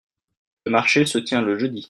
le marché se tient le jeudi.